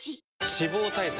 脂肪対策